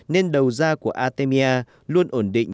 nên đầu da của artemia luôn ổn định